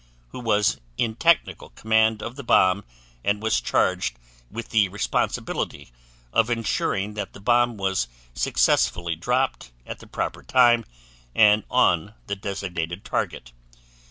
who was in technical command of the bomb and was charged with the responsibility of insuring that the bomb was successfully dropped at the proper time and on the designated target.